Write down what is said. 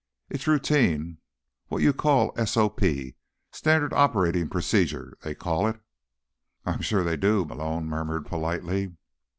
It's routine, what you call S. O. P. Standard Operating Procedure, they call it." "I'm sure they do," Malone murmured politely.